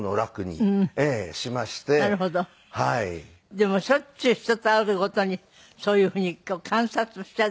でもしょっちゅう人と会うごとにそういうふうに観察しちゃうでしょ？